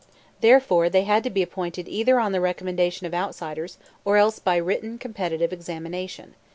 Therefore they had to be appointed either on the recommendation of outsiders or else by written competitive examination.